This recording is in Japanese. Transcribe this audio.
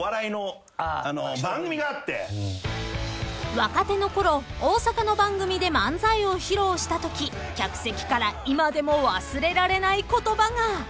［若手の頃大阪の番組で漫才を披露したとき客席から今でも忘れられない言葉が］